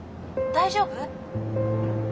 大丈夫？